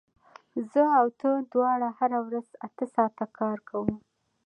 زه او ته دواړه هره ورځ اته ساعته کار کوو